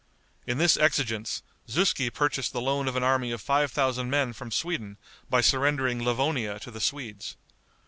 In this exigence, Zuski purchased the loan of an army of five thousand men from Sweden by surrendering Livonia to the Swedes.